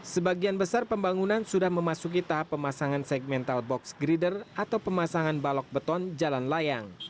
sebagian besar pembangunan sudah memasuki tahap pemasangan segmental box grider atau pemasangan balok beton jalan layang